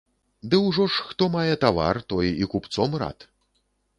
Ды ўжо ж, хто мае тавар, той і купцом рад.